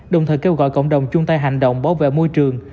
đồng thời kêu gọi cộng đồng chung tay hành động bảo vệ môi trường